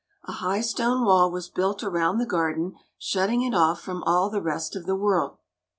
A high stone wall was built around the garden, shutting it off from all the rest of the world.